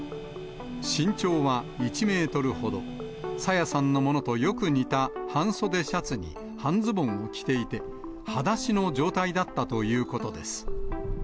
身長は１メートルほど、朝芽さんのものとよく似た半袖シャツに半ズボンを着ていて、はだしの状態だったということです。